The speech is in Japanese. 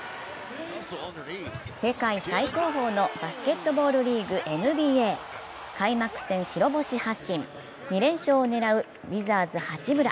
世界最高峰のバスケットボールリーグ、ＮＢＡ・開幕戦白星発進、２連勝を狙うウィザーズ・八村。